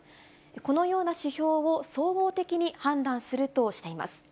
このような指標を総合的に判断するとしています。